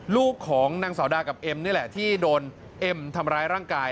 ลูกของนางสาวดากับเอ็มนี่แหละที่โดนเอ็มทำร้ายร่างกาย